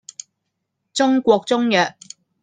中國中藥